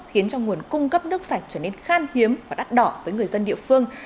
khiến cho nguồn cung cấp nước sạch trở nên khan hiếm và đắt đỏ với người dân địa phương